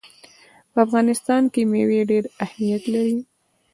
په افغانستان کې مېوې ډېر اهمیت لري.